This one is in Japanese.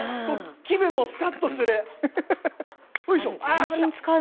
気分もすかっとする。